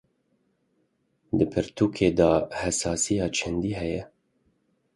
Di pirtûkê de hesasiya çandî heye?